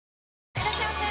いらっしゃいませ！